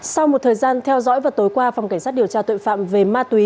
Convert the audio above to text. sau một thời gian theo dõi vào tối qua phòng cảnh sát điều tra tội phạm về ma túy